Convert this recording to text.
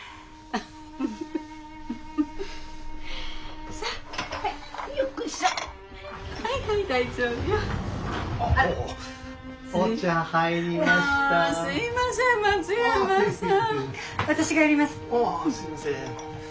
あすいません。